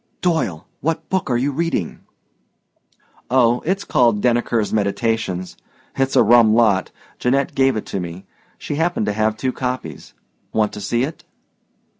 "Doyle, what book are you reading?" "Oh, it's called 'Denneker's Meditations.' It's a rum lot, Janette gave it to me; she happened to have two copies. Want to see it?"